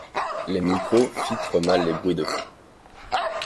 Les micros fitrent mal les bruits de fond.